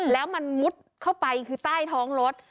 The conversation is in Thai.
แล้วมันมุดเข้าไปคือใต้ท้องรถ